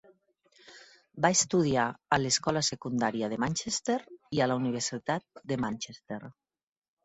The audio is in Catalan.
Va estudiar a l'Escola Secundària de Manchester i a la Universitat de Manchester.